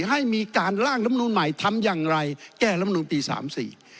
ให้มีการล่างรัฐมนูลใหม่ทำอย่างไรแก้รัฐมนูลปี๓๔